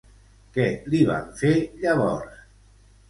Què li van fer llavors?